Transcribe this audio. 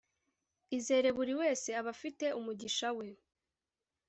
Izere buri wese aba afite umugisha we